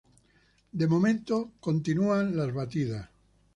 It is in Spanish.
De momento continúan las batidas.